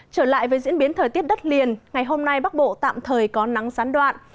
trở lại với diễn biến thời tiết đất liền ngày hôm nay bắc bộ tạm thời có nắng gián đoạn